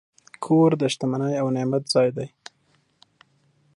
کور د شتمنۍ او نعمت ځای دی.